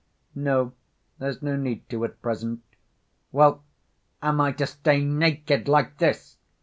"No, there's no need to, at present." "Well, am I to stay naked like this?"